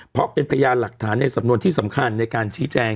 เพราะเป็นพยานหลักฐานในสำนวนที่สำคัญในการชี้แจง